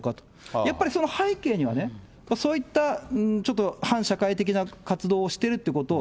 やっぱりその背景にはね、そういったちょっと反社会的な活動をしてるっていうことを、